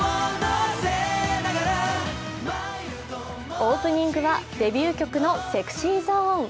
オープニングはデビュー曲の「ＳｅｘｙＺｏｎｅ」。